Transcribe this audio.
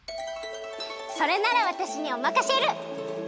それならわたしにおまかシェル！